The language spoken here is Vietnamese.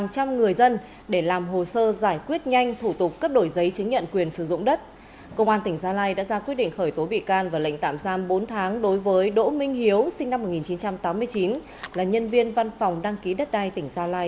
trong quá trình làm việc đỗ minh hiếu là nhân viên hợp đồng văn phòng đăng ký đất đai tỉnh gia lai